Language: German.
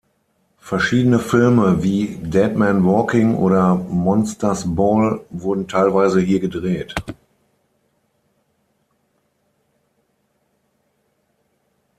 Verschiedene Filme wie "Dead Man Walking" oder "Monster’s Ball" wurden teilweise hier gedreht.